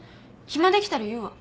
暇できたら言うわ。